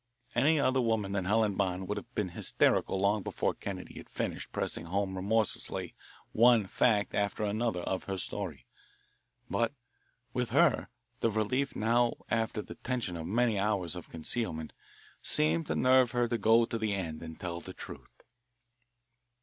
Any other woman than Helen Bond would have been hysterical long before Kennedy had finished pressing home remorselessly one fact after another of her story. But, with her, the relief now after the tension of many hours of concealment seemed to nerve her to go to the end and tell the truth.